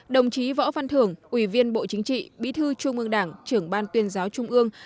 đồng chí võ văn thưởng ủy viên bộ chính trị bí thư trung ương đảng trưởng ban tuyên giáo trung ương